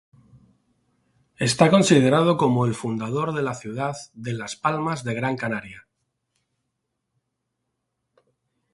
Está considerado como el fundador de la ciudad de Las Palmas de Gran Canaria.